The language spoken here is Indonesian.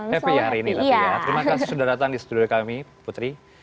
happy hari ini tapi ya terima kasih sudah datang di studio kami putri